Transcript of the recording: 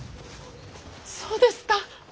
そうですか！